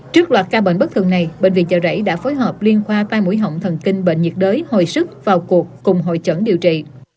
trước loạt ca bệnh bất thường này bệnh viện chợ rẫy đã phối hợp liên khoa tai mũi họng thần kinh bệnh nhiệt đới hồi sức vào cuộc cùng hội chẩn điều trị